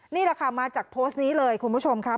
นี่แหละค่ะมาจากโพสต์นี้เลยคุณผู้ชมครับ